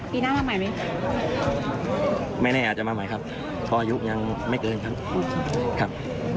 ปีหน้ามาใหม่ไหมไม่แน่อาจจะมาใหม่ครับเพราะอายุยังไม่เกินครับครับ